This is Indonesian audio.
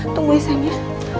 tunggu ya sayangnya